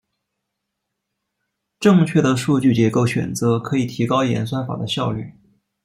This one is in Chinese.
正确的数据结构选择可以提高演算法的效率。